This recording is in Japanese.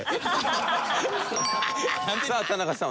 さあ田中さん